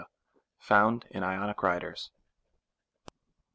found in Ionic writers.